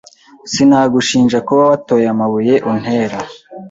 Sinagushinja kuba watoye amabuye untera